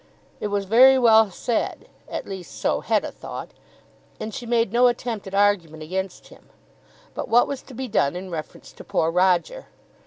It was very well said, at least so Hetta thought, and she made no attempt at argument against him. But what was to be done in reference to poor Roger?